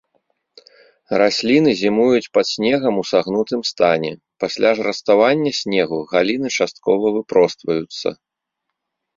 Расліны зімуюць пад снегам у сагнутым стане, пасля ж раставання снегу галіны часткова выпростваюцца.